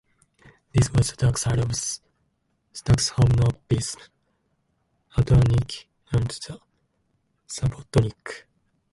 This was the dark side of Stakhanovism, udarniki, and the subbotnik.